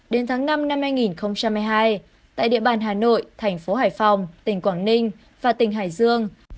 đến tháng năm năm hai nghìn hai mươi hai tại địa bàn hà nội thành phố hải phòng tỉnh quảng ninh và tỉnh hải dương